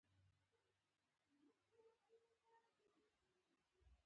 وويل هغه لا ويده دی.